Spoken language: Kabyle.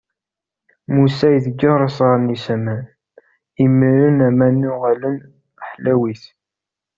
Musa iḍegger asɣar-nni s aman, imiren aman-nni uɣalen ḥlawit.